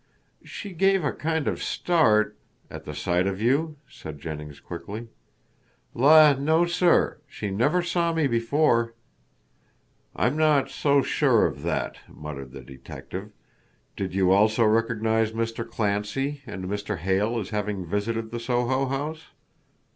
"She gave a kind of start " "At the sight of you," said Jennings quickly. "La, no, sir. She never saw me before." "I'm not so sure of that," muttered the detective. "Did you also recognize Mr. Clancy and Mr. Hale as having visited the Soho house?"